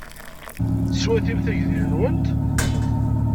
Teswatimt agdil-nwent?